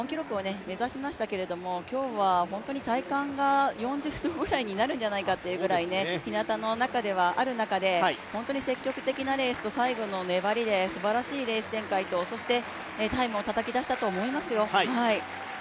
日本記録を目指しましたけど今日は本当に体感が４０度ぐらいになるんじゃないかという日向の中にある中で本当に積極的なレースと最後の粘りですばらしいレース展開とタイムをたたき出したと思いますよ。